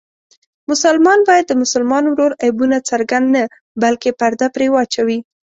مسلمان باید د بل مسلمان ورور عیبونه څرګند نه بلکې پرده پرې واچوي.